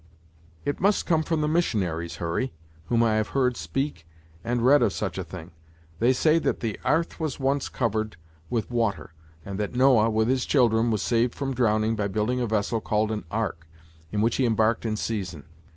"It must come from the missionaries, Hurry, whom I have heard speak and read of such a thing. They say that the 'arth was once covered with water, and that Noah, with his children, was saved from drowning by building a vessel called an ark, in which he embarked in season.